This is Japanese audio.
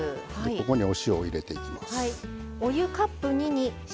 ここにお塩を入れていきます。